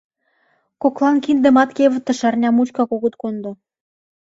— Коклан киндымат кевытыш арня мучкак огыт кондо.